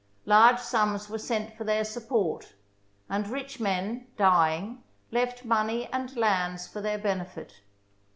Large sums were sent for their support, and rich men, dying, left money and lands for their benefit.